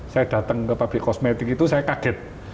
saya datang ke pabrik kosmetik itu saya kaget